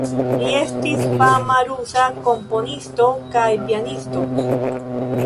Li estis fama rusa komponisto kaj pianisto.